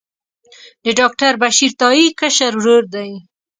د ډاکټر بشیر تائي کشر ورور دی.